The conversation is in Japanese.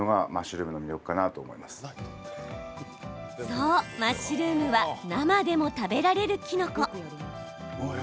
そう、マッシュルームは生でも食べられるキノコ。